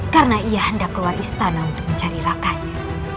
karena ia hendak keluar istana untuk mencari rakannya